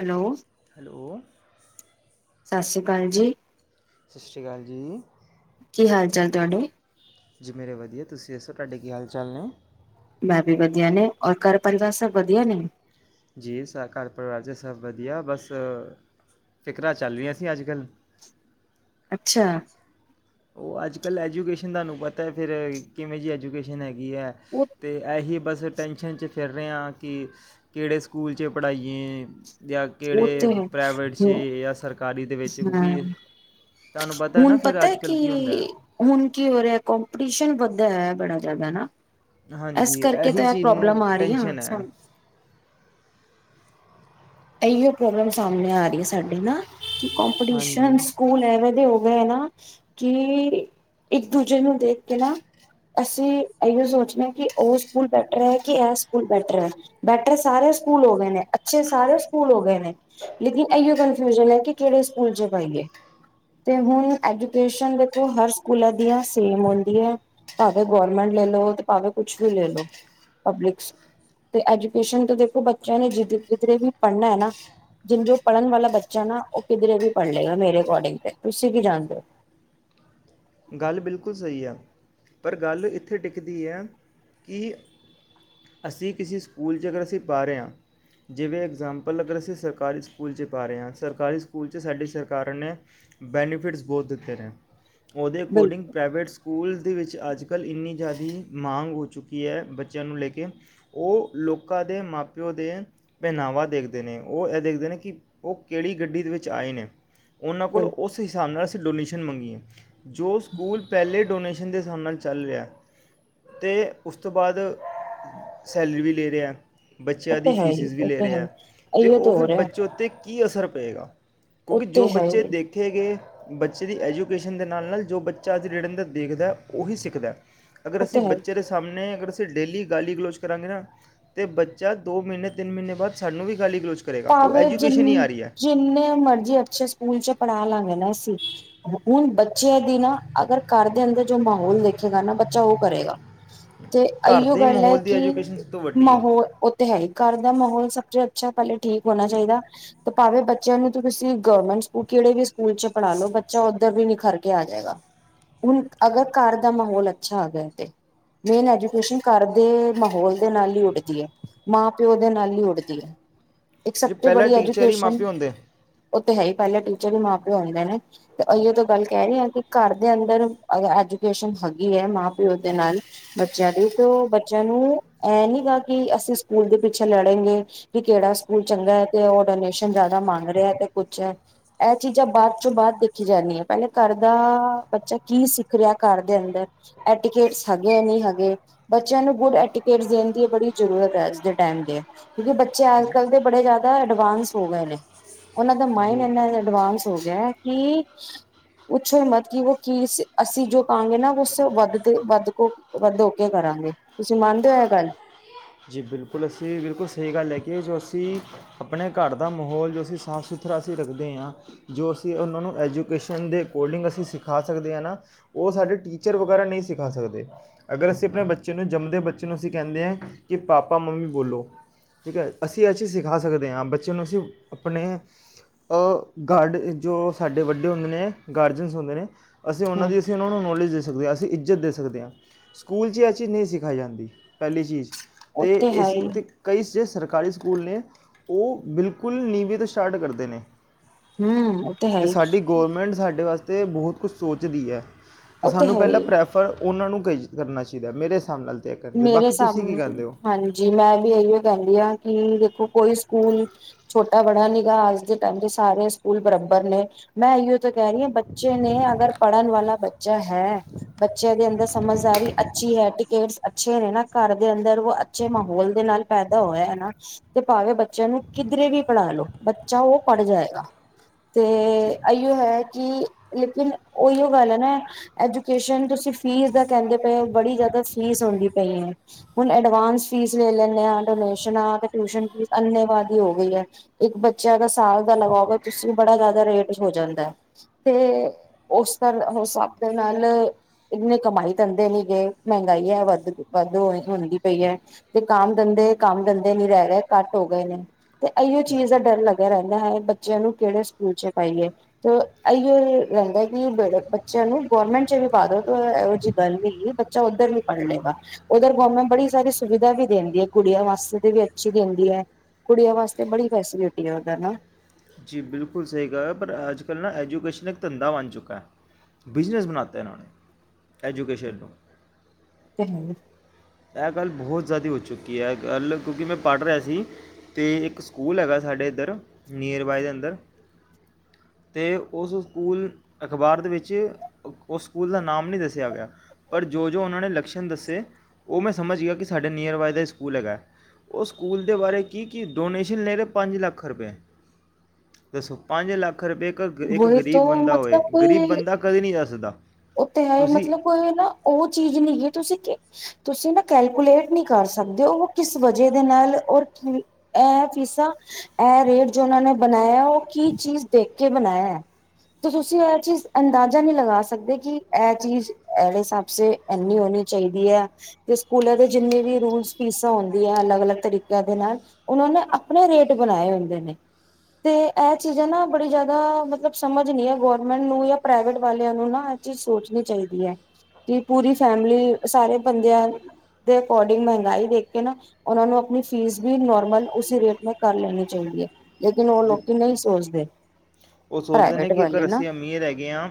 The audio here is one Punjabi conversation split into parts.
ਹੈਲੋ ਹੈਲੋ ਸਤਿ ਸ਼੍ਰੀ ਅਕਾਲ ਜੀ ਸਤਿ ਸ਼੍ਰੀ ਅਕਾਲ ਜੀ ਕੀ ਹਾਲ ਚਾਲ ਤੁਹਾਡੇ ਜੀ ਮੇਰੇ ਵਧੀਆ ਤੁਸੀਂ ਦੱਸੋ ਤੁਹਾਡੇ ਕੀ ਹਾਲ ਚਾਲ ਨੇ ਮੈਂ ਵੀ ਵਧੀਆ ਨੇ ਔਰ ਘਰ ਪਰਿਵਾਰ ਸਭ ਵਧੀਆ ਨੇ। ਜੀ ਸਾ ਘਰ ਪਰਿਵਾਰ 'ਚ ਸਭ ਵਧੀਆ ਬਸ ਫਿਕਰਾਂ ਚੱਲ ਰਹੀਆਂ ਸੀ ਅੱਜ ਕੱਲ੍ਹ ਅੱਛਾ ਉਹ ਅੱਜ ਕੱਲ੍ਹ ਐਜੂਕੇਸ਼ਨ ਤੁਹਾਨੂੰ ਪਤਾ ਹੈ ਫੇਰ ਕਿਵੇਂ ਜੀ ਐਜੂਕੇਸ਼ਨ ਹੈਗੀ। ਹੈ ਉਹ ਤੇ ਇਹੀ ਬੱਸ ਅਸੀ ਟੈਂਸ਼ਨ 'ਚ ਫਿਰ ਰਹੇ ਹਾਂ ਕਿ ਕਿਹੜੇ ਸਕੂਲ 'ਚ ਪੜ੍ਹਾਈਏ। ਜਾਂ ਉਹ ਕਿਹੜੇ ਤੇ ਹੈ। ਪ੍ਰਾਈਵੇਟ 'ਚ ਜਾਂ ਸਰਕਾਰੀ ਦੇ ਵਿੱਚ ਹਾਂ, ਕਿਉਂਕਿ ਤੁਹਾਨੂੰ ਪਤਾ ਹੈ ਨਾ ਫਿਰ ਅੱਜ ਕੀ ਕੱਲ੍ਹ ਹੁੰਦਾ ਹੈ। ਹੁਣ ਕੀ ਹੋ ਰਿਹਾ ਕੋਪਟੀਸ਼ਨ ਬਣ ਗਿਆ ਹੈ ਬੜਾ ਜ਼ਿਆਦਾ ਹਨਾ। ਹਾਂਜੀ ਇਹੀ ਚੀਜ਼ ਨੂੰ ਰਹੀ ਆ ਟੈਸ਼ਨ ਹੈ। ਇਹੀਓ ਪ੍ਰੋਬਲਮ ਸਾਹਮਣੇ ਆ ਰਹੀ ਹੈ ਸਾਡੇ ਨਾ ਕੀ ਕੋਂਪੀਟੀਸ਼ਨ ਹਾਂਜੀ ਸਕੂਲ ਐਵੇ ਦੇ ਹੋ ਗਏ ਨਾ ਕਿ ਇੱਕ ਦੂਜੇ ਨੂੰ ਦੇਖ ਕੇ ਨਾ ਅਸੀਂ ਐਹੀ ਸੋਚਦੇ ਹਾ ਕਿ ਉਹ ਸਕੂਲ ਬੈਟਰ ਹੈ ਕਿ ਐਹ ਸਕੂਲ ਬੈਟਰ ਹੈ ਬੈਟਰ ਸਾਰੇ ਸਕੂਲ ਹੋ ਗਏ ਨੇ ਅੱਛੇ ਸਾਰੇ ਸਕੂਲ ਹੋ ਗਏ ਨੇ ਲੇਕਿਨ ਇਹੀਓ ਕਨਫਿਊਜਨ ਹੈ ਕਿ ਕਿਹੜੇ ਸਕੂਲ ਚ ਪਾਈਏ ਤੇ ਹੁਣ ਐਜੂਕੇਸ਼ਨ ਦੇਖੋ ਹਰ ਸਕੂਲਾਂ ਦੀਆਂ ਸੇਮ ਹੁੰਦੀ ਹੈ ਭਾਵੇਂ ਗੌਰਮੈਂਟ ਲੈ ਲਓ ਭਾਵੇਂ ਕੁਛ ਵੀ ਲੈ ਲਓ ਪਬਲਿਕ ਤੇ ਐਜੂਕੇਸ਼ਨ ਤੋਂ ਦੇਖੋ ਬੱਚਿਆਂ ਨੇ ਜਿਧ ਜਿਧਰੇ ਵੀ ਪੜ੍ਹਨਾ ਹੈ ਨਾ ਜਿਨ ਜੋ ਪੜ੍ਹਨ ਵਾਲਾ ਬੱਚਾ ਨਾ ਉਹ ਕਿਧਰੇ ਵੀ ਪੜ੍ਹ ਲਏਗਾ ਮੇਰੇ ਅਕੋਰਡਿੰਗ ਤੇ ਤੁਸੀਂ ਵੀ ਜਾਣਦੇ ਹੋ। ਗੱਲ ਬਿਲਕੁਲ ਸਹੀ ਆ ਪਰ ਗੱਲ ਇੱਥੇ ਟਿਕਦੀ ਹੈ ਕਿ ਅਸੀਂ ਕਿਸੇ ਸਕੂਲ 'ਚ ਅਗਰ ਅਸੀਂ ਪਾ ਰਹੇ ਹਾਂ ਜਿਵੇਂ ਇਗਜ਼ਾਮਪਲ ਅਗਰ ਅਸੀਂ ਸਰਕਾਰੀ ਸਕੂਲ 'ਚ ਪਾ ਰਹੇ ਹਾਂ ਸਰਕਾਰੀ ਸਕੂਲ 'ਚ ਸਾਡੀ ਸਰਕਾਰ ਨੇ ਬੈਨੀਫਿਟਸ ਬਹੁਤ ਦਿੱਤੇ ਨੇ। ਉਹਦੇ ਅਕੋਡਿੰਗ ਬਿਲਕੁਲ ਪ੍ਰਾਈਵੇਟ ਸਕੂਲ ਦੇ ਵਿੱਚ ਅੱਜ ਕੱਲ੍ਹ ਇੰਨੀ ਜ਼ਿਆਦਾ ਮਾਂਗ ਹੋ ਚੁੱਕੀ ਹੈ ਬੱਚਿਆਂ ਨੂੰ ਲੈ ਕੇ ਉਹ ਲੋਕਾਂ ਦੇ ਮਾਂ ਪਿਓ ਦੇ ਪਹਿਨਾਵਾ ਦੇਖਦੇ ਨੇ ਉਹ ਇਹ ਦੇਖਦੇ ਨੇ ਕਿ ਉਹ ਕਿਹੜੀ ਗੱਡੀ ਦੇ ਵਿੱਚ ਆਏ ਨੇ। ਉਹਨਾਂ ਕੋਲ ਬਿਲਕੁਲ ਉਸ ਹਿਸਾਬ ਨਾਲ ਡੋਨੇਸ਼ਨ ਮੰਗੀ ਏ ਜੋ ਸਕੂਲ ਪਹਿਲੇੇ ਡੋਨੇਸ਼ਨ ਦੇ ਹਿਸਾਬ ਨਾਲ ਚੱਲ ਰਿਹਾ ਅਤੇ ਉਸ ਤੋਂ ਬਾਅਦ ਸੈਲਰੀ ਵੀ ਲੈ ਰਿਹਾ। ਉਹ ਬੱਚਿਆਂ ਦੀ ਤੇ ਹੈ ਹੀ ਫੀਸਿਸ ਵੀ ਉਹ ਲੈ ਤੇ ਰਹੇ ਹੈ ਹੀ ਅਤੇ ਇਹੀਓ ਤੇ ਉਹ ਹੋ ਫਿਰ ਰਿਹਾ ਬੱਚੇ ਉੱਤੇ ਕੀ ਅਸਰ ਪਏਗਾ ਉਹ ਕਿਉਂਕਿ ਤੇ ਜੋ ਹੈ ਬੱਚੇ ਹੀ ਦੇਖੇ ਗਏ। ਬੱਚੇ ਦੀ ਐਜੂਕੇਸ਼ਨ ਦੇ ਨਾਲ ਨਾਲ ਜੋ ਬੱਚਾ ਅੱਜ ਰੇੜਣ ਚ ਦੇਖਦਾ ਏ ਉਹੀ ਸਿੱਖਦਾ। ਅਗਰ ਉਹ ਤੇ ਅਸੀਂ ਹੈ ਬੱਚੇ ਦੇ ਸਾਹਮਣੇ ਅਸੀਂ ਡੇਲੀ ਗਾਲੀ ਗਲੋਚ ਕਰਾਂਗੇ ਨਾ ਤੇ ਬੱਚਾ ਦੋ ਮਹੀਨੇ ਤਿੰਨ ਮਹੀਨੇ ਬਾਅਦ ਸਾਨੂੰ ਵੀ ਗਾਲੀ ਗਲੋਚ ਕਰੇਗਾ ਉਹ ਭਾਵੇਂ ਐਜੂਕੇਸ਼ਨ ਹੀ ਜਿੰਨ ਆ ਰਹੀ ਹੈ ਜਿੰਨੇ ਮਰਜ਼ੀ ਅੱਛੇ ਸਕੂਲ ਚ ਪੜ੍ਹਾ ਲਾਂਗੇ ਨਾ ਅਸੀਂ ਹੁਣ ਬੱਚਿਆਂ ਦੀ ਨਾ ਅਗਰ ਘਰ ਦੇ ਅੰਦਰ ਜੋ ਮਾਹੌਲ ਦੇਖੇਗਾ ਨਾ ਬੱਚਾ ਉਹ ਕਰੇਗਾ। ਤੇ ਘਰ ਇਹੀ ਦੇ ਗੱਲ ਹੈ ਮਾਹੌਲ ਦੀ ਕਿ ਐਜੂਕੇਸ਼ਨ ਸਭ ਤੋਂ ਵੱਡੀ ਹੈ ਮਾਹੌਲ ਉੱਥੇ ਹੈ। ਘਰ ਦਾ ਮਾਹੌਲ ਸਭ ਤੋਂ ਅੱਛਾ ਪਲੇ। ਠੀਕ ਹੋਣਾ ਚਾਹੀਦਾ ਭਾਵੇਂ ਬੱਚਿਆਂ ਨੂੰ ਤੁਸੀਂ ਗਰਮੈਂਟ ਸਕੂਲ ਕਿਹੜੇ ਵੀ ਸਕੂਲ ਚ ਪੜ੍ਹਾ ਲੋ ਬੱਚਾ ਓਧਰ ਵੀ ਨਿਖਰ ਕੇ ਆ ਜਾਏਗਾ ਹੁਣ ਅਗਰ ਘਰ ਦਾ ਮਾਹਲ ਅੱਛਾ ਆ ਗਿਆ ਮੇਨ ਐਜੂਕੇਸ਼ਨ ਘਰ ਦੇ ਮਾਹਲ ਦੇ ਨਾਲ ਹੀ ਉੱਡਦੀ ਹੈ ਮਾਂ ਪਿਓ ਦੇ ਨਾਲ ਹੀ ਉੱਡਦੀ ਹੈ। ਇੱਕ ਸਭ ਜੇ ਤੋਂ ਪਹਿਲਾ ਬੜੀ ਟੀਚਰ ਹੀ ਐਜੂਕੇਸ਼ਨ ਮਾਪੇ ਹੁੰਦੇ ਉਹ ਤੇ ਹੈ ਹੀ ਪਹਿਲੇ ਟੀਚਰ ਵੀ ਮਾਂ ਪਿਓ ਹੁੰਦੇ ਨੇ ਤੇ ਏਹੀ ਤੋਂ ਗੱਲ ਕਹਿ ਰਹੀ ਹਾਂ ਕਿ ਘਰ ਦੇ ਅੰਦਰ ਐਜੂਕੇਸ਼ਨ ਹੈਗੀ ਹੈ ਮਾਂ ਪਿਓ ਦੇ ਨਾਲ ਬੱਚਿਆਂ ਦੀ ਤੇ ਉਹ ਬੱਚਿਆਂ ਨੂੰ ਐ ਨੀ ਗਾ ਕਿ ਅਸੀਂ ਸਕੂਲ ਦੇ ਪਿੱਛੇ ਲੜੇਗੇ ਵੀ ਕਿਹੜਾ ਸਕੂਲ ਚੰਗਾ ਹੈ ਤੇ ਉਹ ਡੋਨੇਸ਼ਨ ਜ਼ਿਆਦਾ ਮੰਗ ਰਿਹਾ ਤੇ ਕੁਛ ਹੈ ਇਹ ਚੀਜ਼ਾਂ ਬਾਅਦ ਚੋਂ ਬਾਅਦ ਦੇਖੀ ਜਾਂਦੀ ਹੈ ਪਹਿਲੇ ਘਰ ਦਾ ਬੱਚਾ ਕੀ ਸਿੱਖ ਰਿਹਾ ਘਰ ਦੇ ਅੰਦਰ ਐਟੀਕੇਟਸ ਹੈਗੇ ਨਹੀਂ ਹੈਗੇ ਬੱਚਿਆਂ ਨੂੰ ਗੁੱਡ ਐਟੀਕੇਟਸ ਦੇਣ ਦੀ ਬੜੀ ਜ਼ਰੂਰਤ ਹੈ ਅੱਜ ਦੇ ਟਾਈਮ ਦੇ ਕਿਉਂਕਿ ਬੱਚੇ ਕੱਲ ਦੇ ਬੜੇ ਜ਼ਿਆਦਾ ਅਡਵਾਂਸ ਹੋ ਗਏ ਨੇ, ਉਹਨਾਂ ਦਾ ਮਾਇਡ ਜੀ ਇਨਾ ਅਡਵਾਂਸ ਹੋ ਗਿਆ ਕਿ ਪੁੱਛੋ ਹੀ ਮਤ ਕੀ ਕੀ ਸੀ ਅਸੀਂ ਜੋ ਕਹਾਂਗੇ ਨਾ ਉਸ ਵੱਧ ਦੇ ਵੱਧ ਕ ਵੱਧ ਹੋ ਕੇ ਕਰਾਂਗੇ। ਤੁਸੀਂ ਮੰਨਦੇ ਹੋ ਇਹ ਗੱਲ ਜੀ ਬਿਲਕੁਲ, ਅਸੀਂ ਬਿਲਕੁਲ ਸਹੀ ਗੱਲ ਹੈ ਕਿ ਜੋ ਅਸੀਂ ਆਪਣੇ ਘਰ ਦਾ ਮਾਹੌਲ ਜੋ ਅਸੀਂ ਸਾਫ ਸੁਥਰਾ ਅਸੀਂ ਰੱਖਦੇ ਹਾਂ ਜੋ ਅਸੀਂ ਉਹਨਾਂ ਨੂੰ ਐਜੂਕੇਸ਼ਨ ਦੇ ਅਕੋਰਡਿੰਗ ਅਸੀਂ ਸਿਖਾ ਸਕਦੇ ਹਾਂ ਨਾ ਉਹ ਸਾਡੇ ਟੀਚਰ ਵਗੈਰਾ ਨਹੀਂ ਸਿਖਾ ਸਕਦੇ। ਅਗਰ ਅਸੀਂ ਆਪਣੇ ਬੱਚੇ ਨੂੰ ਜੰਮਦੇ ਬੱਚੇ ਨੂੰ ਅਸੀਂ ਕਹਿੰਦੇ ਹਾਂ ਕਿ ਪਾਪਾ ਮੰਮੀ ਬੋਲੋ। ਠੀਕ ਹੈ, ਅਸੀਂ ਇਹ ਚੀ ਸਿਖਾ ਸਕਦੇ ਹਾਂ ਬੱਚੇ ਨੂੰ ਅਸੀਂ ਆਪਣੇ ਅ ਗਾਰਡ ਜੋ ਸਾਡੇ ਵੱਡੇ ਹੁੰਦੇ ਨੇ ਗਾਰਜਅਨਸ ਹੁੰਦੇ ਨੇ ਅਸੀਂ ਉਹਨਾਂ ਹਮ ਦੀ ਅਸੀਂ ਉਹਨਾਂ ਨੂੰ ਨੌਲੇਜ ਦੇ ਸਕਦੇ, ਅਸੀਂ ਇੱਜ਼ਤ ਦੇ ਸਕਦੇ ਹਾਂ। ਸਕੂਲ 'ਚ ਇਹ ਚੀਜ਼ ਨਹੀਂ ਸਿਖਾਈ ਜਾਂਦੀ ਪਹਿਲੀ ਚੀਜ਼ ਉਹ ਅਤੇ ਤੇ ਏ ਹੈ ਸੀ ਹੀ ਅਤੇ ਕਈ ਸਿਸ ਸਰਕਾਰੀ ਸਕੂਲ ਨੇ ਉਹ ਬਿਲਕੁਲ ਨੀਵੇਂ ਤੋਂ ਸਟਾਰਟ ਕਰਦੇ ਨੇ। ਹਮ ਉਹ ਹੈ ਤੇ ਹੀ ਸਾਡੀ ਗੌਰਰਮੈਂਟ ਸਾਡੇ ਵਾਸ ਤੇ ਬਹੁਤ ਕੁਛ ਸੋਚਦੀ ਆ। ਤੇ ਉਹ ਸਾਨੂੰ ਹੈ ਪਹਿਲਾਂ ਹੀ ਪ੍ਰੈਫਰ ਉਹਨਾਂ ਨੂੰ ਕਚ ਕਰਨਾ ਚਾਹੀਦਾ। ਮੇਰੇ ਹਿਸਾਬ ਨਾਲ ਤਾਂ ਇਹ ਕਰਦੇ ਮੇਰੇ ਬਾਕੀ ਤੁਸੀਂ ਕੀ ਸਾਹਮਣੇ, ਕਹਿੰਦੇ ਹੋ ਹਾਂਜੀ ਜੀ ਮੈਂ ਵੀ ਇਹੀਓ ਕਹਿੰਦੀ ਹਾਂ ਕਿ ਦੇਖੋ ਕੋਈ ਸਕੂਲ ਛੋਟਾ ਬੜਾ ਨੀ ਗਾ ਅੱਜ ਦੇ ਟਾਈਮ ਤੇ ਸਾਰੇ ਸਕੂਲ ਬਰਾਬਰ ਨੇ ਮੈਂ ਇਹੀਓ ਕਹਿ ਰਹੀ ਹੈ ਬੱਚੇ ਨੇ ਅਗਰ ਪੜ੍ਹਨ ਵਾਲਾ ਬੱਚ ਚਾ ਹੈ ਬੱਚਿਆਂ ਦੇ ਅੰਦਰ ਸਮਝਦਾਰੀ ਅੱਛੀ ਹੈ ਤੇ ਕੇ ਵਾਰੀ ਸ ਅੱਛੇ ਨੇ ਨਾ, ਘਰ ਦੇ ਅੰਦਰ ਉਹ ਅੱਛੇ ਮਾਹੌਲ ਦੇ ਨਾਲ ਪੈਦਾ ਹੋਇਆ ਹੈ ਨਾ ਤੇ ਭਾਵੇਂ ਬੱਚਿਆਂ ਨੂੰ ਕਿਧਰੇ ਵੀ ਪੜ੍ਹਾ ਲੋ ਬੱਚਾ ਉਹ ਪੜ੍ਹ ਜਾਏਗਾ। ਤੇ ਜੀ ਆਇਓ ਹੈ ਕਿ ਲੇਕਿਨ ਉਹੀਓ ਗੱਲ ਹੈ ਨਾ ਐਜੂਕੇਸ਼ਨ ਤੁਸੀਂ ਫੀਸ ਦਾ ਕਹਿੰਦੇ ਪਏ ਹੋ ਬੜੀ ਜ਼ਿਆਦਾ ਫੀਸ ਹੁੰਦੀ ਪਈ ਆ। ਹੁਣ ਐਡਵਾਂਸ ਫੀਸ ਲੈ ਲੈਂਦੇ ਆ। ਡੋਨੇਸਨਾ ਤੇ ਟਿਊਸਨ ਫੀਸ ਅੰਨੇ ਵਧੀ ਹੋ ਗਈ ਹੈ ਇੱਕ ਬੱਚਾ ਅ ਸਾਲ ਦਾ ਲਗਾਓਗੇ ਤੁਸੀ ਬੜਾ ਜ਼ਿਆਦਾ ਰੇਟ ਹੋ ਜਾਂਦਾ ਤੇ ਉਸ ਤਰ ਉਸ ਹਾਬ ਦੇ ਨਾਲ ਇਨੀ ਕਮਾਈ ਦਿੰਦੇ ਨੀ ਗੇ ਮਹਿੰਗਾਈ ਹੈ ਵੱਧ ਗੀ ਵਾਧੂ ਹੋਈ ਹੁੰਦੀ ਪਈ ਹੈ ਤੇ ਕਮ ਦੰਦੇ ਕੰਮ ਦੰਦੇ ਨੀ ਰਹਿ ਰਹੇ ਘੱਟ ਹੋ ਗਏ ਨੇ। ਤੇ ਇਹੀੋ ਚੀਜ਼ ਦਾ ਡਰ ਲੱਗਿਆ ਰਹਿੰਦਾ ਹੈ ਬੱਚਿਆਂ ਨੂੰ ਕਿਹੜੇ ਸਕੂਲ ਚ ਪਾਈਏ ਤੇ ਇਹੀੋ ਰਹਿੰਦਾ ਕਿ ਬੱਚਿਆਂ ਨੂੰ ਗਰਮੈਂਟ ਚ ਵੀ ਪਾ ਦੋ ਇਹੋ ਜਿਹੀ ਗੱਲ ਨ ਬੱਚਾ ਉੱਧਰ ਵੀ ਪੜ੍ਹ ਲਏਗਾ। ਉਧਰ ਗਰਮੈਂਟ ਬੜੀ ਸਾਰੀ ਸੁਵਿਧਾ ਵੀ ਦਿੰਦੀ ਹੈ। ਕੁੜੀਆਂ ਵਾਸਤੇ ਵੀ ਅੱਛੀ ਦਿੰਦੀ ਹੈ। ਕੁੜੀਆਂ ਵਾਸਤੇ ਬੜੀ ਫੈਸਿਲਿਟੀ ਆ ਉਧਰ ਨਾ ਜੀ ਬਿਲਕੁਲ ਸਹੀ ਗੱਲ ਹੈ। ਪਰ ਅੱਜ ਕੱਲ੍ਹ ਨਾ ਐਜੂਕੇਸ਼ਨ ਇੱਕ ਧੰਦਾ ਬਣ ਚੁੱਕਾ ਹੈ। ਬਿਜਨਸ ਬਣਾ ਤ ਇਹਨਾਂ ਨੇ। ਐਜੂਕੇਸ਼ਨ ਨੂੰ ਹੂੰ। ਇਹ ਗੱਲ ਬਹੁਤ ਜ਼ਿਆਦਾ ਹੋ ਚੁੱਕੀ ਹੈ ਇਹ ਗੱਲ ਕਿਉਂਕਿ ਮੈਂ ਪੜ੍ਹ ਰਿਹਾ ਸੀ ਅਤੇ ਇੱਕ ਸਕੂਲ ਹੈਗਾ ਸਾਡੇ ਇੱਧਰ ਨੀਅਰ ਬਾਏ ਦੇ ਅੰਦਰ ਅਤੇ ਉਸ ਸਕੂਲ ਅਖਬਾਰ ਦੇ ਵਿੱਚ ਉਸ ਸਕੂਲ ਦਾ ਨਾਮ ਨਹੀਂ ਦੱਸਿਆ ਗਿਆ ਪਰ ਜੋ ਜੋ ਉਹਨਾਂ ਨੇ ਲੱਛਣ ਦੱਸੇ ਉਹ ਮੈਂ ਸਮਝ ਗਿਆ ਕਿ ਸਾਡੇ ਨੀਅਰ ਬਾਏ ਦਾ ਸਕੂਲ ਹੈਗਾ ਉਹ ਸਕੂਲ ਦੇ ਬਾਰੇ ਕੀ ਕੀ ਡੋਨੇਸ਼ਨ ਲੈ ਰੇ ਪੰਜ ਲੱਖ ਰੁਪਏ ਦੱਸੋ? ਪੰਜ ਲੱਖ ਖ ਰੁਪਏ ਇੱਕ ਵਹੀ ਗਰੀਬ ਤੋਂ ਬੰਦਾ ਹੋਏ ਗਰੀਬ ਬੰਦਾ ਕਦੇ ਨਹੀਂ ਜਾ ਸਕਦਾ ਓ ਤੇ ਹੈ ਮਤਲਬ ਨਾ ਉਹ ਚੀਜ਼ ਨਹੀਂ ਹੈ ਤੁਸੀਂ ਕਿ ਤੁਸੀਂ ਨਾ ਕੈਲਕੂਲੇਟ ਨਹੀਂ ਕਰ ਸਕਦੇ ਹੋ। ਉਹ ਕਿਸ ਵਜੇ ਦੇ ਨਾਲ ਔਰ ਕੀ ਇਹ ਫੀਸਾ ਇਹ ਰੇਟ ਜੋ ਉਹਨਾਂ ਨੇ ਬਣਾਇਆ ਉਹ ਕੀ ਚੀਜ਼ ਦੇਖ ਕੇ ਬਣਾਇਆ ਹੈ, ਤੇ ਤੁਸੀਂ ਇਹ ਚੀਜ਼ ਅੰਦਾਜ਼ਾ ਨਹੀਂ ਲਗਾ ਸਕਦੇ ਕਿ ਇਹ ਚੀਜ਼ ਇਹ ਹਿਸਾਬ ਐਨੀ ਹੋਣੀ ਚਾਹੀਦੀ ਹੈ ਤੇ ਸਕੂਲਾਂ ਦੇ ਜਿੰਨੇ ਵੀ ਰੂਲ ਫੀਸਾਂ ਹੁੰਦੀ ਹੈ ਅਲੱਗ-ਅਲੱਗ ਤਰੀਕਿਆਂ ਦੇ ਨਾਲ ਉਹਨਾਂ ਨੇ ਆਪਣੇ ਰੇਟ ਬਣਾਏ ਹੁੰਦੇ ਨੇ ਤੇ ਇਹ ਚੀਜ਼ਾਂ ਨਾ ਬੜੀ ਜਿਆਦਾ ਮਤਲਬ ਸਮਝ ਨੀ ਆ ਗਰਮੈਂਟ ਨੂੰ ਜਾਂ ਪ੍ਰਾਈਵੇਟ ਵਾਲਿਆਂ ਨੂੰ ਨਾ ਚੀਜ਼ ਸੋਚਣੀ ਚਾਹੀਦੀ ਹੈ ਕਿ ਪੂਰੀ ਫੈਮਲੀ ਸਾਰੇ ਬੰਦਿਆਂ ਦੇ ਅਕੋਡਿੰਗ ਮਹਿੰਗਾਈ ਦੇਖ ਕੇ ਨਾ ਉਹਨਾ ਨੂੰ ਆਪਣੀ ਫੀਸ ਵੀ ਨੋਰਮਲ ਰੇਟ ਮ ਕਰ ਲੈਣੀ ਚਾਹੀਦੀ ਹੈ। ਲੇਕਿਨ ਉਹ ਜ- ਲੋਕੀ ਨਹੀਂ ਸੋਚਦੇ। ਉਹ ਸੋਚਦੇ ਨੇ ਪ੍ਰਾਈਵੇਟ ਕਿ ਵਾਲੇ ਅਗਰ ਨਾ ਅਸੀਂ ਅਮੀਰ ਹੈਗੇ ਹਾਂ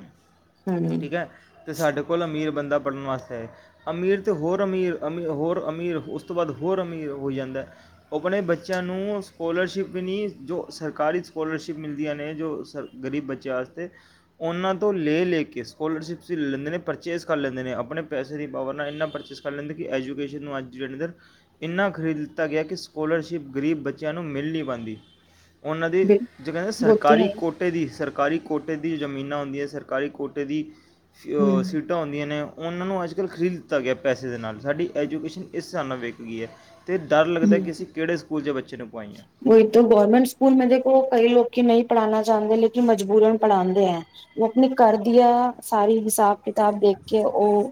ਹਮ ਠੀ ਜਾਂ ਤੇ ਸਾਡੇ ਕੋਲ ਅਮੀਰ ਬੰਦਾ ਪੜ੍ਹਨ ਵਾਸਤੇ ਆਏ। ਅਮੀਰ ਅਤੇ ਹੋਰ ਅਮੀਰ ਅਮੀ ਹੋਰ ਅਮੀਰ ਉਸ ਤੋਂ ਬਾਅਦ ਹੋਰ ਅਮੀਰ ਹੋਈ ਜਾਂਦਾ। ਆਪਣੇ ਬੱਚਿਆਂ ਨੂੰ ਸਕੋਲਰਸ਼ਿਪ ਵੀ ਨੀ ਜੋ ਸਰਕਾਰੀ ਸਕੋਲਰਸ਼ਿਪ ਮਿਲਦੀਆਂ ਨੇ ਜੋ ਸਰ ਗਰੀਬ ਬੱਚਿਆਂ ਵਾਸਤੇ ਉਹਨਾਂ ਤੋਂ ਲੇ ਲੇ ਕੇ ਸਕੋਲਰਸ਼ਿਪਸ ਲੈਂਦੇ ਨੇ ਪਰਚੇਜ਼ ਕਰ ਲੈਂਦੇ ਨੇ ਆਪਣੇ ਪੈਸੇ ਦੀ ਪਾਵਰ ਨਾਲ ਇੰਨਾਂ ਪਰਚੇਸ ਕਰ ਲੈਂਦੇ ਕਿ ਐਜੂਕੇਸ਼ਨ ਨੂੰ ਅੱਜ ਦੇ ਦਿਨ ਇੰਨਾ ਖਰੀਦ ਦਿੱਤਾ ਗਿਆ ਕਿ ਸਕੋਲਰਸ਼ਿਪ ਗਰੀਬ ਬੱਚਿਆਂ ਨੂੰ ਮਿਲ ਨਹੀਂ ਪਾਉਂਦੀ। ਉਹਨਾਂ ਦੀ ਬਿਲ ਜੋ ਕਹਿੰਦੇ ਸਰਕਾਰੀ ਕੋ ਕੀ ਸਰਕਾਰੀ ਕੋਟੇ ਦੀ ਜ਼ਮੀਨਾਂ ਹੁੰਦੀਆਂ ਸਰਕਾਰੀ ਕੋਟੇ ਦੀ ਹਮ ਸੀਟਾਂ ਹੁੰਦੀਆਂ ਨੇ ਉਹਨਾਂ ਨੂੰ ਅੱਜ ਕੱਲ੍ਹ ਖਰੀਦ ਦਿੱਤਾ ਗਿਆ ਪੈਸੇ ਦੇ ਨਾਲ ਸਾਡੀ ਐਜੂਕੇਸ਼ਨ ਇਸ ਹਿਸਾਬ ਨਾਲ ਵਿਕ ਗਈ ਹੈ। ਅਤੇ ਡਰ ਲੱਗਦਾ ਕਿ ਅਸੀਂ ਕਿਹੜੇ ਸਕੂਲ 'ਚ ਬੱਚੇ ਨੂੰ ਪਾਈਏ ਵਹੀ ਤੋ ਗੌਰਮੈਂਟ ਸਕੂਲ ਮੇ ਦੇਖੋ। ਲੋਕੀ ਨਹੀਂ ਪੜ੍ਹਾਣਾ ਚਾਹੁੰਦੇ ਲੇਕਿਨ ਮਜਬੂਰਨ ਪੜ੍ਹਾਦੇ ਆ ਉਹ ਆਪਣੀ ਘਰ ਦੀਆਂ ਸਾਰੀ ਹਿਸਾਬ ਕਿਤਾਬ ਦੇਖ ਕੇ ਉਹ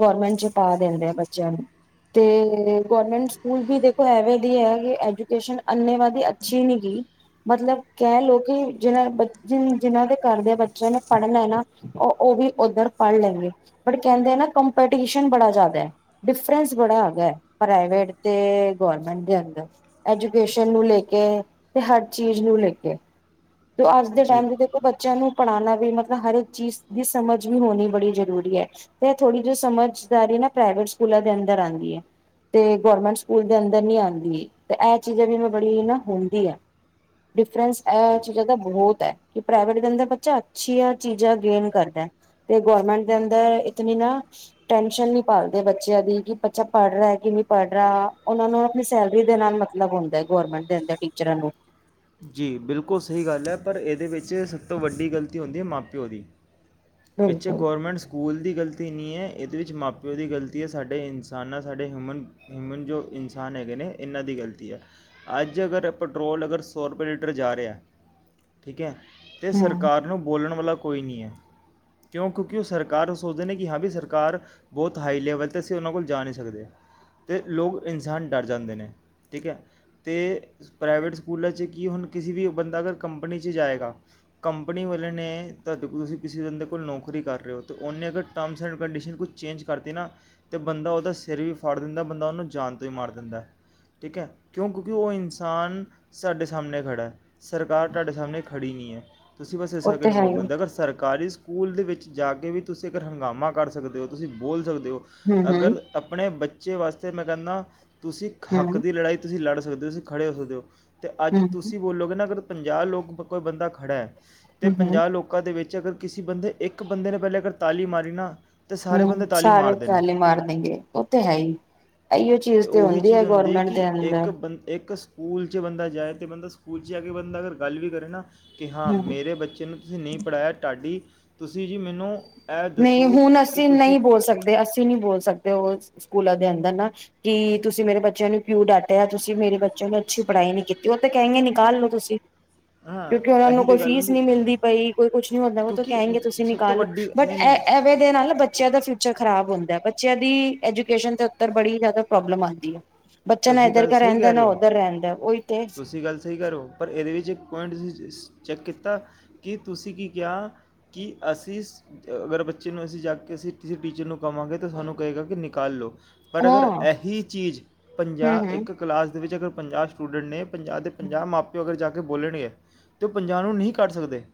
ਗਰਮੈਂਟ ਚ ਪਾ ਦਿੰਦੇ ਆ ਬੱਚਿਆਂ ਨੂੰ ਤੇ ਗਰਮੈਂਟ ਸਕੂਲ ਵੀ ਦੇਖੋ ਐਵੇ ਦੀ ਹੈ ਕਿ ਐਜੂਕੇਸ਼ਨ ਅੰਨੇ ਵਾ ਦੀ ਅੱਛੀ ਨੀ ਗ ਮਤਲਬ ਕਹਿ ਲੋਓ ਕਿ ਜਿ ਜਿਨਾਂ ਦੇ ਘਰ ਦੇ ਬੱਚਿਆਂ ਨੇ ਪੜਨਾ ਨਾ ਉਹ ਵੀ ਓਧਰ ਪੜ੍ਹ ਲੈਂਗੇ ਬਟ ਕਹਿੰਦੇ ਨਾ ਕੰਪੀਟੀਸ਼ਨ ਬੜਾ ਜ਼ਿਆਦਾ ਏ ਡਿਫਰਸ ਬੜਾ ਹੈਗਾ ਪ੍ਰਾਈਵੇਟ ਤੇ ਗੌਰਮੈਂਟ ਦੇ ਅੰਦਰ ਐਜੂਕੇਸ਼ਨ ਨੂੰ ਲੈ ਕੇ ਤੇ ਹਰ ਚੀਜ਼ ਨੂੰ ਲੈ ਕੇ ਅੱਜ ਦੇ ਜੀ ਟਾਈਮ ਦੇ ਦੇਖੋ ਬੱਚਿਆਂ ਨੂੰ ਪੜ੍ਹਾਣਾ ਵੀ ਮਤਲਬ ਹਰ ਚੀਜ਼ ਦੀ ਸਮਝ ਵੀ ਹੋਣੀ ਬੜੀ ਜਰੂਰੀ ਹੈ ਤੇ ਥੋੜੀ ਜ ਸਮਝਦਾਰੀ ਨਾ ਪ੍ਰਾਈਵੇਟ ਸਕੂਲਾਂ ਦੇ ਅੰਦਰ ਆਦੀ ਆ ਤੇ ਗੌਰਮੈਂਟ ਸਕੂਲ ਦੇ ਅੰਦਰ ਨੀ ਆਦੀ ਤੇ ਇਹ ਚੀਜ਼ਾਂ ਵੀ ਬੜੀ ਨਾ ਹੁੰਦੀ ਆ ਡਿਫਰੈਸ ਬਹੁਤ ਹੈ ਪ੍ਰਾਈਵੇਟ ਦੇ ਅੰਦਰ ਬੱਚਾ ਅੱਛੀਆਂ ਚੀਜ਼ਾਂ ਗੇਨ ਕਰਦਾ ਤੇ ਗਰਮੈਂਟ ਦੇ ਅੰਦਰ ਇਤਨੀ ਨਾ ਟੈ ਨੀ ਪਾਲਦੇ ਬੱਚਿਆਂ ਦੀ ਕਿ ਬੱਚਾ ਪੜ੍ਹ ਰਿਹਾ ਕਿ ਨਹੀਂ ਪੜ ਰਿਹਾ ਉਹਨਾ ਨੂੰ ਆਪਣੀ ਸੈਲਰੀ ਦੇ ਨਾਲ ਮਤਲਬ ਹੁੰਦਾ ਗੌਰਮੈਂਟ ਦੇ ਅੰਦਰ ਟੀਚਰਾਂ ਨੂੰ ਜੀ ਬਿਲਕੁਲ ਸਹੀ ਗੱਲ ਹੈ ਪਰ ਇਹਦੇ ਵਿੱਚ ਸਭ ਤੋਂ ਵੱਡੀ ਗਲਤੀ ਹੁੰਦੀ ਹੈ ਮਾਂ ਪਿਓ ਦੀ ਇਸ ਚ ਬਿਲਕੁਲ ਗੌਰਮੈਂਟ ਸਕੂਲ ਦੀ ਗਲਤੀ ਨਹੀਂ ਹੈ ਇਹਦੇ ਵਿੱਚ ਮਾਂ ਪਿਓ ਦੀ ਗ਼ਲਤੀ ਹੈ ਸਾਡੇ ਇਨਸਾਨਾਂ ਸਾਡੇ ਹਿਊਮਨ ਹਿਊਮਨ ਜੋ ਇਨਸਾਨ ਹੈਗੇ ਨੇ ਇਹਨਾਂ ਦੀ ਗ਼ਲਤੀ ਹੈ ਅੱਜ ਅਗਰ ਪੈਟਰੋਲ ਅਗਰ ਸੌ ਰੁਪਏ ਲੀਟਰ ਜਾ ਰਿਹਾ ਠੀਕ ਹੈ ਤੇ ਹਮ ਸਰਕਾਰ ਨੂੰ ਬੋਲਣ ਵਾਲਾ ਕੋਈ ਨਹੀਂ ਹੈ ਕਿਉਂ ਕਿਉਂਕਿ ਉਹ ਸਰਕਾਰ ਉਹ ਸੋਚਦੇ ਨੇ ਕਿ ਹਾਂ ਵੀ ਸਰਕਾਰ ਬਹੁਤ ਹਾਈ ਲੈਵਲ 'ਤੇ ਅਸੀਂ ਉਹਨਾਂ ਕੋਲ ਜਾ ਨਹੀਂ ਸਕਦੇ ਅਤੇ ਲੋਕ ਇਨਸਾਨ ਡਰ ਜਾਂਦੇ ਨੇ ਠੀਕ ਹੈ ਤੇ ਪ੍ਰਾਈਵੇਟ ਸਕੂਲਾਂ 'ਚ ਕਿ ਹੁਣ ਕਿਸੇ ਵੀ ਬੰਦਾ ਅਗਰ ਕੰਪਨੀ 'ਚ ਜਾਏਗਾ ਕੰਪਨੀ ਵਾਲੇ ਨੇ ਤੁਹਾਡੇ ਕੋਲ ਤੁਸੀਂ ਕਿਸੇ ਬੰਦੇ ਕੋਲ ਨੌਕਰੀ ਕਰ ਰਹੇ ਹੋ ਤਾਂ ਉਹਨੇ ਅਗਰ ਟਰਮਸ ਐਂਡ ਕੰਡੀਸ਼ਨ ਕੁਛ ਚੇਂਜ ਕਰਤੀ ਨਾ ਤਾਂ ਬੰਦਾ ਉਹਦਾ ਸਿਰ ਵੀ ਫੜ ਦਿੰਦਾ ਬੰਦਾ ਉਹਨੂੰ ਜਾਣ ਤੋਂ ਹੀ ਮਾਰ ਦਿੰਦਾ ਠੀਕ ਹੈ ਕਿਉਂ ਕਿਉਂਕਿ ਉਹ ਇਨਸਾਨ ਸਾਡੇ ਸਾਹਮਣੇ ਖੜਾ ਸਰਕਾਰ ਤੁਹਾਡੇ ਸਾਹਮਣੇ ਖੜੀ ਨਹੀਂ ਹੈ। ਤੁਸੀਂ ਬਸ ਇਸ ਉਹ ਤੇ ਕਰਕੇ ਹੈ ਬੋਲ ਹੀ ਪਾਂਦੇ ਅਗਰ ਸਰਕਾਰੀ ਸਕੂਲ ਦੇ ਵਿੱਚ ਜਾ ਕੇ ਵੀ ਤੁਸੀਂ ਅਗਰ ਹੰਗਾਮਾ ਕਰ ਸਕਦੇ ਹੋ ਤੁਸੀਂ ਬੋਲ ਸਕਦੇ ਹੋ ਹੂੰ-ਹੂੰ, ਅਗਰ ਆਪਣੇ ਬੱਚੇ ਬੱਚੇ ਵਾਸਤੇ ਮੈਂ ਕਹਿਣਾ ਤੁਸੀਂ ਹੱਕ ਹੂੰ, ਦੀ ਲੜਾਈ ਤੁਸੀਂ ਲੜ ਸਕਦੇ ਹੋ ਤੁਸੀ ਖੜੇ ਹੋ ਸਕਦੇ ਹੋ ਤੇ ਅੱਜ ਹੂੰ ਤੁਸੀਂ ਬੋਲੋਗੇ ਨਾ ਅਗਰ ਪੰਜਾਹ ਲੋਕ ਕੋਈ ਬੰਦਾ ਖੜ੍ਹਾ ਐ ਤੇ ਹੂੰ, ਪੰਜਾਹ ਲੋਕਾਂ ਦੇ ਵਿੱਚ ਅਗਰ ਕਿਸੇ ਬੰਦੇ ਇੱਕ ਬਦੇ ਨੇ ਪਹਿਲੇ ਅਗਰ ਤਾਲੀ ਮਾਰੀ ਨਾ ਤੇ ਹੂੰ ਸਾਰੇ ਬੰਦੇ ਤਾਲੀ ਸਾਰੇ ਮਾਰਦੇ ਨੇ ਤਾਲੀ ਮਾਰ ਦੇਣਗੇ ਉਹ ਤੇ ਹੈ ਹੀ ਇਹੀਓ ਚੀਜ਼ ਤੇ ਉਹੀ ਹੁੰਦੀ ਚੀਜ਼ ਹੈ ਗੌਰਮੈਂਟ ਕਿ ਦੇ ਇੱਕ ਅੰਦਰ ਬੰ ਇੱਕ ਸਕੂਲ 'ਚ ਬੰਦਾ ਜਾਏ ਤੇ ਬੰਦਾ ਸਕੂਲ 'ਚ ਬੰਦਾ ਅਗਰ ਗੱਲ ਵੀ ਕਰੇ ਨਾ ਕਿ ਹਾਂ ਹੂੰ ਮੇਰੇ ਬੱਚੇ ਨੂੰ ਤੁਸੀਂ ਨਹੀਂ ਪੜ੍ਹਾਇਆ ਤਾਡੀ ਤੁਸੀਂ ਜੀ ਮੈਨੂੰ ਇਹ ਨਹੀਂ ਦੱਸੋ ਹੁਣ ਕਿ ਅਸੀਂ ਤੁਸੀਂ ਨਹੀਂ ਬੋਲ ਸਕਦੇ ਅਸੀਂ ਨਹੀਂ ਬੋਲ ਸਕਦੇ ਉਹ ਸਕੂਲਾਂ ਦੇ ਅੰਦਰ ਨਾ ਕਿ ਤੁਸੀਂ ਮੇਰੇ ਬੱਚਿਆਂ ਨੂੰ ਕਿਉ ਡਾਟਿਆ ਤੁਸੀਂ ਮੇਰੇ ਬੱਚਿਆਂ ਨੂੰ ਅੱਛੀ ਪੜ੍ਹਾਈ ਨੀ ਕੀਤੀ ਉਹ ਤੇ ਕਹਿਣਗੇ ਨਿਕਾਲ ਲੋ ਤੁਸੀਂ ਕਿਉਂਕਿ ਉਹਨਾ ਹਾਂ ਨੂੰ ਇਹੀ ਤੇ ਕੋਈ ਗੱਲ ਫੀਸ ਹੁੰਦੀ ਨਹੀਂ ਮਿਲਦੀ ਪਈ ਕੋਈ ਕੁਛ ਨੀ ਹੁੰਦਾ ਉਹ ਤਾਂ ਕਿਉਂਕਿ ਕਹਿਣਗੇ ਤੁਸੀਂ ਸਭ ਤੋਂ ਨਿਕਾਲ ਲੋ ਵੱਡੀ ਬਟ ਨਹੀਂ ਨਹੀਂ ਐਵੇਂ ਦੇ ਨਾਲ ਬੱਚਿਆਂ ਦਾ ਫਿਊਚਰ ਖ਼ਰਾਬ ਹੁੰਦਾ ਬੱਚੇ ਦੀ ਐਜੂਕੇਸ਼ਨ ਦੇ ਉੱਤਰ ਬੜੀ ਜ਼ਿਆਦਾ ਪ੍ਰੋਬਲਮ ਆਂਦੀ ਐ। ਤੁਸੀਂ ਗੱਲ ਸਹੀ ਕਹਿ ਰਹੇ ਹੋ ਰਹਿੰਦਾ ਉਹੀ ਤੇ ਤੁਸੀਂ ਗੱਲ ਸਹੀ ਕਹਿ ਰਹੇ ਪਰ ਇਹਦੇ ਵਿੱਚ ਇੱਕ ਪੁਆਇੰਟ ਅਸੀਂ ਚੈੱਕ ਕੀਤਾ ਕਿ ਤੁਸੀਂ ਕੀ ਕਿਹਾ ਕਿ ਅਸੀਂ ਅਗਰ ਬੱਚੇ ਨੂੰ ਅਸੀਂ ਜਾ ਕੇ ਕਿਸੇ ਟੀਚਰ ਨੂੰ ਕਵਾਂਗੇ ਤਾਂ ਸਾਨੂੰ ਕਹੇਗਾ ਕਿ ਨਿਕਾਲ ਲਓ। ਪਰ ਅਗਰ ਹਾਂ ਇਹੀ ਚੀਜ਼, ਹਮ ਪੰਜਾਹ ਹਮ ਇੱਕ ਕਲਾਸ ਵਿੱਚ ਅਗਰ ਪੰਜਾਹ ਸਟੂਡੈਂਟ ਨੇ ਪੰਜਾਹ ਦੇ ਪੰਜਾਹ ਮਾਂ ਪਿਓ ਅਗਰ ਜਾ ਕੇ ਬੋਲਣਗੇ ਤੇ ਉਹ ਪੰਜਾਹ ਨੂੰ ਨਹੀਂ ਕੱਢ ਸਕਦੇ।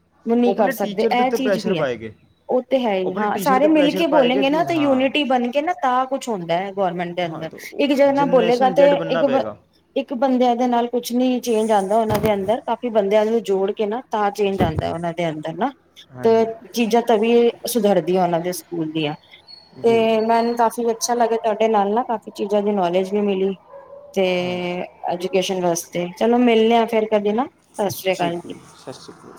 ਉਹ ਨਹੀਂ ਕਰ ਆਪਣੇ ਸਕਦੇ ਟੀਚਰ ਦੇ ਇਹ ਉੱਤੇ ਚੀਜ਼ ਪ੍ਰੈਸ਼ਰ ਵੀਐ ਪਾਏਗੇ ਉਹ ਤੇ ਹੈ ਉਹ ਹੀ ਆਪਣੇ ਹਾਂ ਟੀਚਰ ਸਾਰੇ ਤੇ ਮਿਲ ਪ੍ਰੈਸ਼ਰ ਕੇ ਪਾਏਗੇ ਬੋਲਣਗੇ ਨਾ ਦੂ ਤੇ ਹਾਂ ਯੂਨਿਟੀ ਬਣ ਕੇ ਨਾ ਤਾਂ ਕੁਛ ਹੁੰਦਾ ਗੌਰਰਮੈਂਟ ਦੇ ਹਾਂ ਅੰਦਰ ਤਾਂ ਇੱਕ ਨਾ ਬੋਲੇਗਾ ਜਨਰੇਸ਼ਨ ਤੇ ਇੱਕ ਬੰਨਾ ਪਏਗਾ ਇੱਕ ਬੰਦਿਆਂ ਦੇ ਨਾਲ ਕੁਛ ਨੀ ਚੇਂਜ ਆਉਂਦਾ ਉਹਨਾਂ ਦੇ ਅੰਦਰ ਕਾਫੀ ਬੰਦਿਆਂ ਨੂੰ ਜੋੜ ਕੇ ਨਾ ਤਾਂ ਚੇਂਜ ਆ ਉਹਨਾਂ ਦੇ ਅੰਦਰ ਨਾ ਤੇ ਹਾਂਜੀ ਚੀਜ਼ਾਂ ਤੋਂ ਵੀ ਸੁਧਰ ਜਾਂਦਾ ਜਾਂ ਉਹਨਾਂ ਦੇ ਸਕੂਲ ਦੀਆਂ ਜੀ ਤੇ ਮੈਨੂੰ ਕਾਫੀ ਅੱਛਾ ਲੱਗਿਆ ਤੁਹਾਡੇ ਨਾਲ ਨਾ ਕਾਫੀ ਚੀਜ਼ਾਂ ਚੀਜ਼ਾਂ ਦੀ ਨੌਲੇਜ ਵੀ ਮਿਲੀ। ਤੇ ਐਜੂਕੇਸ਼ਨ ਵਾਸਤੇ ਚਲੋ ਮਿਲਣੇ ਆ ਫਿਰ। ਕਦੇ ਨਾ ਸਤਿ ਸ੍ਰੀ ਠੀਕ ਅਕਾਲ ਆ ਜੀ ਸਤਿ ਸ਼੍ਰੀ ਅਕਾਲ।